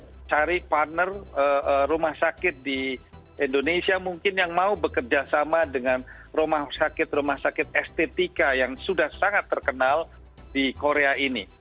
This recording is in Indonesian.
kita mencari partner rumah sakit di indonesia mungkin yang mau bekerja sama dengan rumah sakit rumah sakit estetika yang sudah sangat terkenal di korea ini